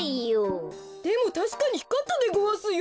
でもたしかにひかったでごわすよ。